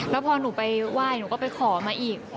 แล้วพอหนูไปไหว้หนูก็ไปขอมาอีก